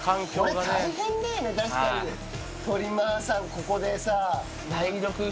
ここでさ。